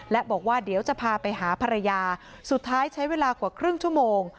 และบอกว่าเดี๋ยวจะพาไปหาภรรยาสุดท้ายใช้เวลากว่าครึ่งชั่วโมง